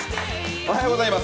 おはようございます。